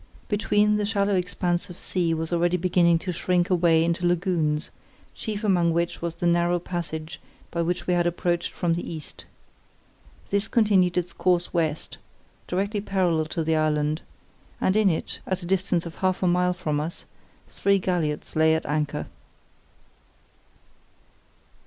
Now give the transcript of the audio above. Between, the shallow expanse of sea was already beginning to shrink away into lagoons, chief among which was the narrow passage by which we had approached from the east. This continued its course west, directly parallel to the island, and in it, at a distance of half a mile from us, three galliots lay at anchor.